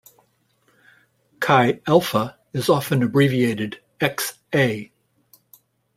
Chi Alpha is often abbreviated ΧΑ.